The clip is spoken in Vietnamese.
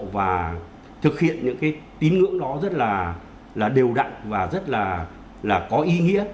và thực hiện những cái tín ngưỡng đó rất là đều đặn và rất là có ý nghĩa